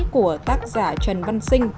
của tác giả trần văn sinh